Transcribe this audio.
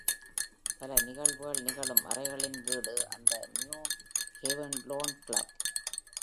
பல நிகழ்வுகள் நிகழும் அறைகளின் வீடு அந்த New Haven Lawn Club.